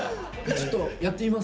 ちょっとやってみます。